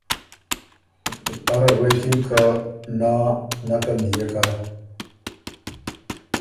اره غوېکِن که ”نا نکن دئېک هۀ“